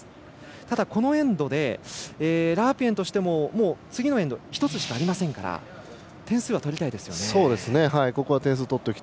ただ、このエンドでラープイェンとしても次のエンド１つしかありませんから点数は取りたいですよね。